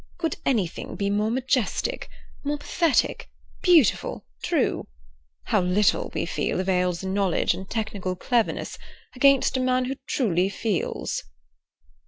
Could anything be more majestic, more pathetic, beautiful, true? How little, we feel, avails knowledge and technical cleverness against a man who truly feels!"